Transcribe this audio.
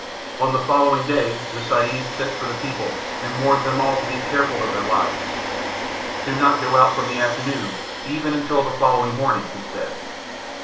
On the following day the Sahib sent for the people and warned them all to be careful of their lives; "Do not go out from the afternoon even until the following morning," he said.